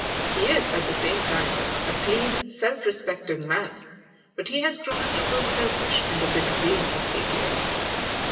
He is, at the same time, a clean, self respecting man. But he has grown a trifle selfish and a bit vain of late years.